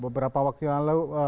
beberapa waktu yang lalu